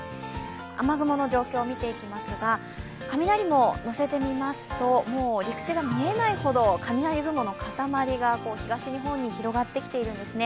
雨雲の状況を見ていきますが雷ものせてみますと、もう陸地が見えないほど雷雲の塊が東日本に広がってきているんですね。